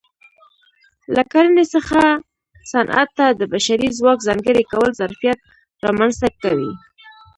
له کرنې څخه صنعت ته د بشري ځواک ځانګړي کول ظرفیت رامنځته کوي